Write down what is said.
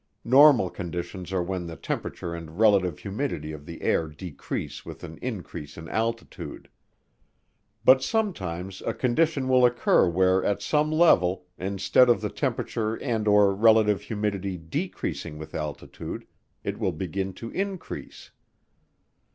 Normal conditions are when the temperature and relative humidity of the air decrease with an increase in altitude. But sometimes a condition will occur where at some level, instead of the temperature and/or relative humidity decreasing with altitude, it will begin to increase.